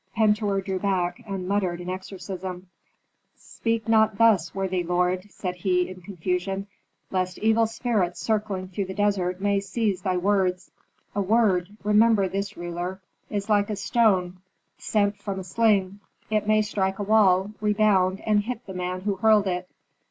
Pentuer drew back, and muttered an exorcism. "Speak not thus, worthy lord," said he, in confusion, "lest evil spirits circling through the desert may seize thy words. A word, remember this, ruler, is like a stone sent from a sling; it may strike a wall, rebound, and hit the man who hurled it."